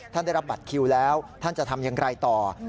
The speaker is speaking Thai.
ได้รับบัตรคิวแล้วท่านจะทำอย่างไรต่อ